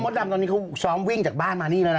ดำตอนนี้เขาซ้อมวิ่งจากบ้านมานี่แล้วนะ